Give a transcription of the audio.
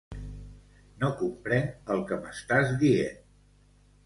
No comprenc el que m'estàs dient.